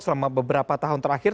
selama beberapa tahun terakhir